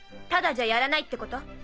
タダじゃやらないってこと？